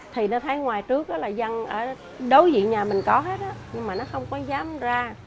thì nó thấy ngoài trước là dân ở đối diện nhà mình có hết nhưng mà nó không có dám ra